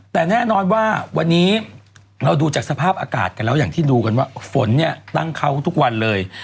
แต่แน่นอนว่าวันนี้เราดูจากสภาพอากาศกันแล้วอย่างที่ดูกันว่าฝนเนี่ยตั้งเขาทุกวันเลย